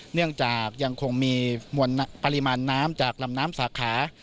เนื่องจากยังคงมีปริมาณน้ำจากลำน้ำสาขา